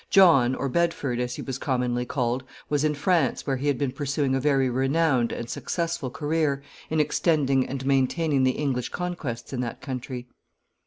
John, or Bedford, as he was commonly called, was in France, where he had been pursuing a very renowned and successful career, in extending and maintaining the English conquests in that country.